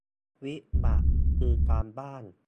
วิบัติคือการบ้าน